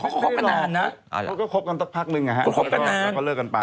เขาก็คบกันนานนะเขาก็คบกันสักพักนึงนะฮะคบกันนานก็เลิกกันไป